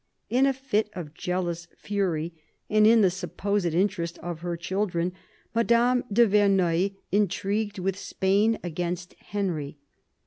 In a fit of jealous fury, and in the supposed interest of her children, Madame de Verneuil intrigued with Spain against Henry.